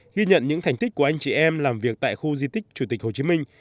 ghi nhận những thành tích của anh chị em làm việc tại khu di tích chủ tịch hồ chí minh